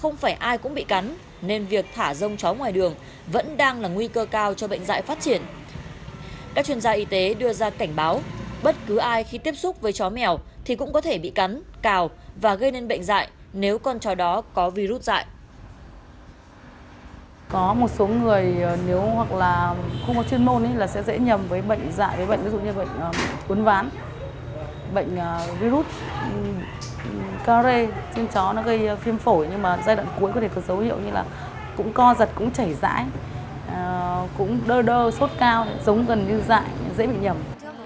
nhưng mà giai đoạn cuối có thể có dấu hiệu như là cũng co giật cũng chảy dãi cũng đơ đơ sốt cao giống gần như dại dễ bị nhầm